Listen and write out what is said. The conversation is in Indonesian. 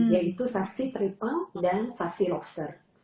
yaitu sasi teripang dan sasi lobster